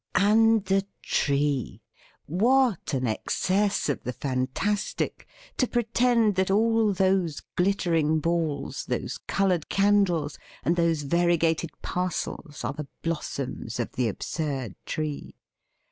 9|c 3|c * 4: And the Tree! What an excess of the fantastic to pretend that all those glittering balls, those coloured candles and those variegated parcels are the blossoms of the absurd tree